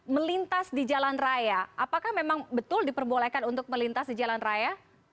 melintas di jalan raya apakah memang betul diperbolehkan untuk melintas di jalan raya